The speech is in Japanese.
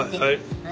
はい。